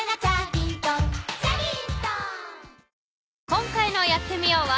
今回の「やってみよう！」は。